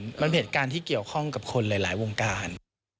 มันเหตุการณ์ที่เกี่ยวข้องกับคนหลายวงการ